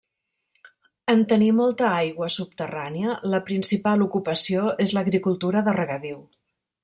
En tenir molta aigua subterrània la principal ocupació és l'agricultura de regadiu.